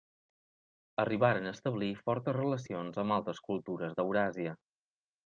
Arribaren a establir fortes relacions amb altres cultures d'Euràsia.